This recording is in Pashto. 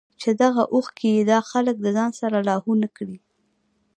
چې دغه اوښکې ئې دا خلک د ځان سره لاهو نۀ کړي